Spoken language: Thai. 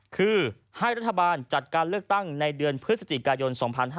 คือให้รัฐบาลจัดการเลือกตั้งในเดือนพฤศจิกายน๒๕๕๙